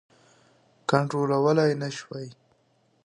کنټرولولای نه شوای.